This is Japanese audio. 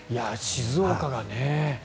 静岡がね。